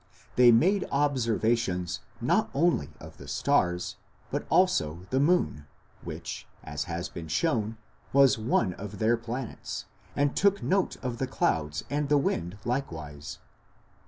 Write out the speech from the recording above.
They made observations not only of the stars, but also the moon, which, as has been shown, was one of their planets, and took note of the clouds and the wind likewise.